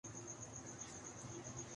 اس کے تیور اور ہیں۔